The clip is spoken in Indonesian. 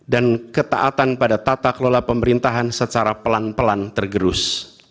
ketaatan pada tata kelola pemerintahan secara pelan pelan tergerus